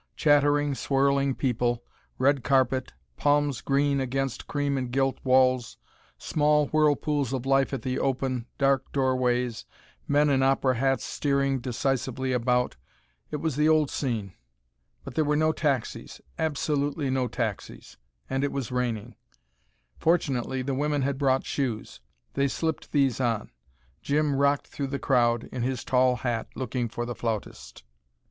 Chattering, swirling people, red carpet, palms green against cream and gilt walls, small whirlpools of life at the open, dark doorways, men in opera hats steering decisively about it was the old scene. But there were no taxis absolutely no taxis. And it was raining. Fortunately the women had brought shoes. They slipped these on. Jim rocked through the crowd, in his tall hat, looking for the flautist.